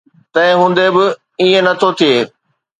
تنهن هوندي به ائين نه ٿو ٿئي.